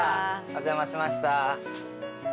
お邪魔しました。